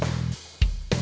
terima kasih bang